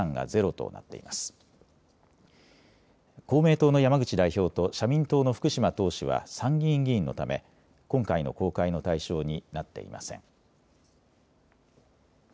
公明党の山口代表と社民党の福島党首は参議院議員のため今回の公開の対象になっていません。